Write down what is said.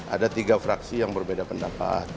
ada tiga fraksi yang berbeda pendapat